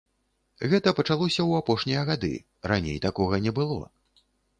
Гэта пачалося ў апошнія гады, раней такога не было.